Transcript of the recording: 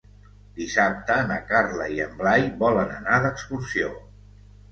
Dissabte na Carla i en Blai volen anar d'excursió.